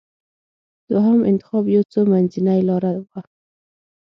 دوهم انتخاب یو څه منځۍ لاره وه.